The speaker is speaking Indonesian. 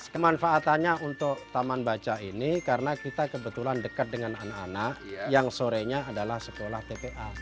kemanfaatannya untuk taman baca ini karena kita kebetulan dekat dengan anak anak yang sorenya adalah sekolah tpa